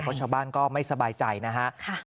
เพราะชาวบ้านก็ไม่สบายใจนะฮะ